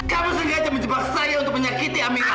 kamu sengaja menjebak saya untuk menyakiti amerika